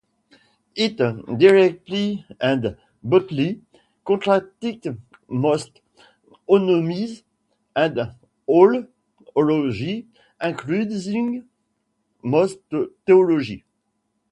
It directly and boldly contradicts most -onomies and all -ologies, including most theology.